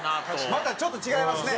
またちょっと違いますね。